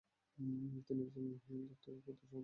তিনি একজন একজন দত্তক পুত্র সন্তান নেন।